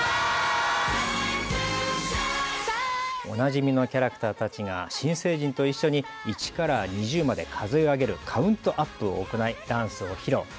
おなじみのキャラクターたちが新成人と一緒に１から２０まで数え上げるカウントアップを行いダンスを披露。